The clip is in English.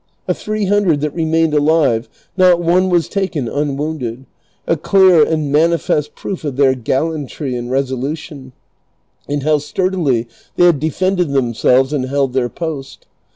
Of three hundred that re mained alive not one was taken unwounded, a clear and manifest proof of their gallantry and resolution, and how sturdily they had defended themselves and held their post.